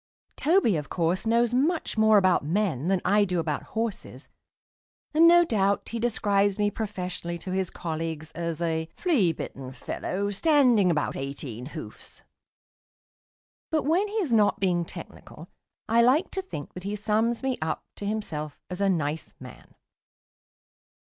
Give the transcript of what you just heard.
Toby, of course, knows much more about men than I do about horses, and no doubt he describes me professionally to his colleagues as a "flea bitten fellow standing about eighteen hoofs"; but when he is not being technical I like to think that he sums me up to himself as a nice man.